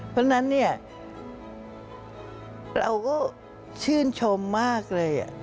เพราะฉะนั้นเนี่ยเราก็ชื่นชมมากเลย